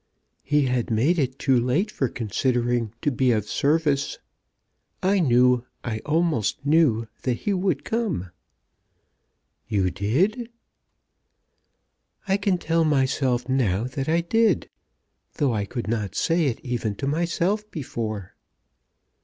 "He had made it too late for considering to be of service. I knew, I almost knew, that he would come." "You did?" "I can tell myself now that I did, though I could not say it even to myself before."